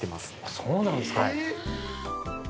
そうなんですか。